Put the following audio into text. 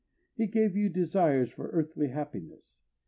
He gave you desires for earthly happiness.